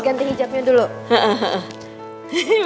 ganti hijabnya dulu